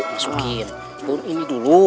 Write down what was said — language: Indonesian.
masukin daun ini dulu